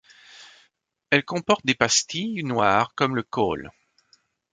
Elles comportent des pastilles noires comme le khol.